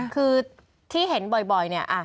คือที่เห็นบ่อยเนี่ย